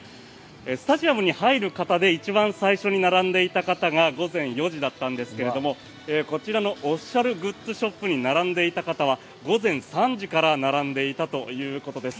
スタジアムに入る方で一番最初に並んでいる方が午前４時だったんですけれどもこちらのオフィシャルグッズショップに並んでいた方は午前３時から並んでいたということです。